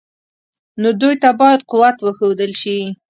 نو دوی ته باید قوت وښودل شي.